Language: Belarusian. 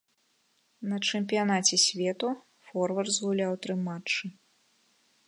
На чэмпіянаце свету форвард згуляў тры матчы.